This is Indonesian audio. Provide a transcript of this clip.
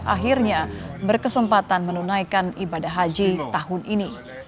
akhirnya berkesempatan menunaikan ibadah haji tahun ini